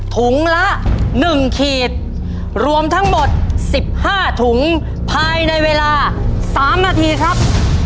ถุงละ๑ขีดรวมทั้งหมด๑๕ถุงภายในเวลา๓นาทีครับ